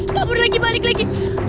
kabur lagi balik lagi